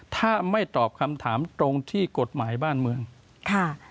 ถ้าไม่ตอบคำถามตรงที่กฎหมายบ้านเมืองค่ะ